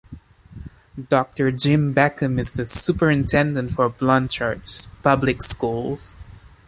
Doctor Jim Beckham is the Superintendent for Blanchard Public Schools.